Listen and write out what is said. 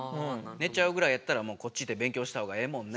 寝ちゃうぐらいやったらもうこっちで勉強したほうがええもんね。